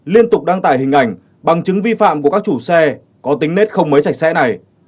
liên tục đăng tải hình ảnh bằng chứng vi phạm của các chủ xe có tính nét không mới sạch sẽ này